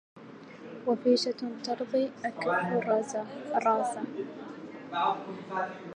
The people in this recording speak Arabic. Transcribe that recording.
وفيشة ترضي أكف الرازه